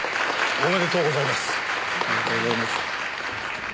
ありがとうございます。